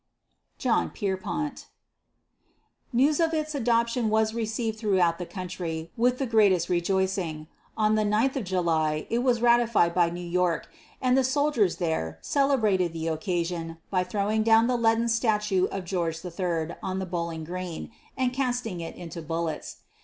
JOHN PIERPONT. News of its adoption was received throughout the country with the greatest rejoicing. On the 9th of July it was ratified by New York, and the soldiers there celebrated the occasion by throwing down the leaden statue of George III on the Bowling Green, and casting it into bullets.